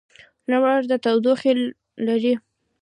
لمر تودوخه لري.